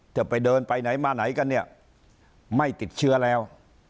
จะไปเดินไปไหนมาไหนกันเนี่ยไม่ติดเชื้อแล้ว